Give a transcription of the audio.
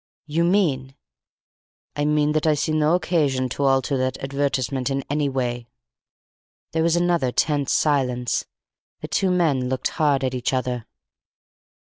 '" "You mean " "I mean that I see no occasion to alter that advertisement in any way." There was another tense silence. The two men looked hard at each other.